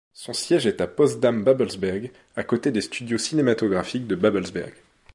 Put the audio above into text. Son siège est à Potsdam-Babelsberg, à côté des studios cinématographiques de Babelsberg.